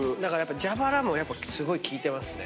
じゃばらもすごい効いてますね。